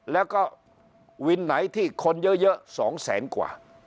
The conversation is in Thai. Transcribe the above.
แล้วก็วินไหนที่คนเยอะ๒แสนกว่า